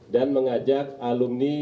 dan mengajak alun